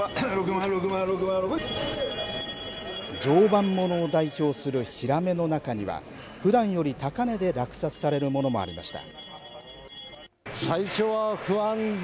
常磐ものを代表するひらめの中にはふだんより高値で落札されるものもありました。